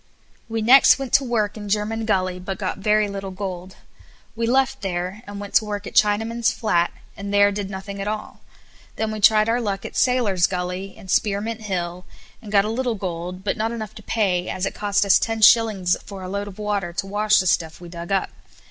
We next went to work in German Gully, but got very little gold. We left there and went to work at Chinaman's Flat, and there did nothing at all. Then we tried our luck at Sailor's Gully, and Spearmint Hill, and got a little gold, but not enough to pay, as it cost us ten shillings a load for water to wash the stuff we dug up.